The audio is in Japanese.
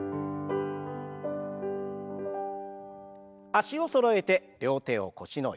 脚をそろえて両手を腰の横。